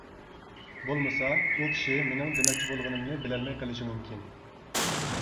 بولمىسا ئۇ كىشى مىنىڭ دېمەكچى بولغىنىمنى بىلەلمەي قىلىشى مۇمكىن.